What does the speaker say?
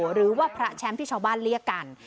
หรือว่าพระแชมป์ที่ชาวบ้านเรียกกัน